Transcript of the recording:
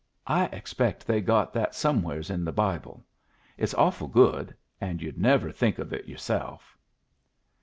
I expect they got that somewheres in the Bible. It's awful good, and you'd never think of it yourself."